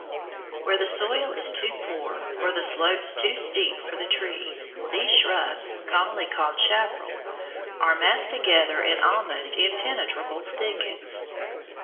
Where the soil is too poor or the slopes too steep for the trees, these shrubs, commonly called "chaparral," are massed together in almost impenetrable thickets.